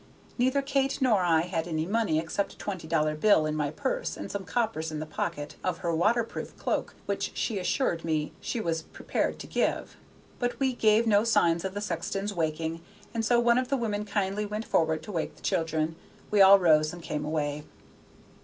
Neither Kate nor I had any money, except a twenty dollar bill in my purse, and some coppers in the pocket of her water proof cloak which she assured me she was prepared to give; but we saw no signs of the sexton's waking, and as one of the women kindly went forward to wake the children, we all rose and came away.